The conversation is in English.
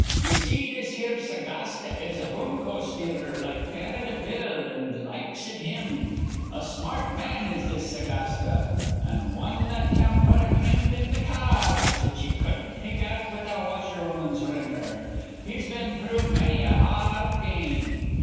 Ye see, this here Sagasta is a boonco steerer like Canada Bill, an' th' likes iv him. A smart man is this Sagasta, an' wan that can put a crimp in th' ca ards that ye cudden't take out with a washerwoman's wringer. He's been through manny a ha ard game.